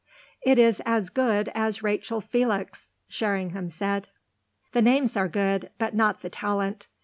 "It is as good as Rachel Felix," Sherringham said. "The name's as good, but not the talent.